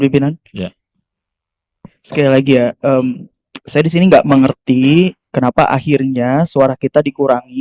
pimpinan sekali lagi ya saya disini enggak mengerti kenapa akhirnya suara kita dikurangi